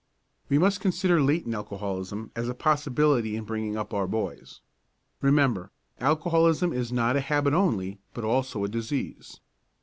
We must consider latent alcoholism as a possibility in bringing up our boys. Remember, alcoholism is not a habit only, but also a disease.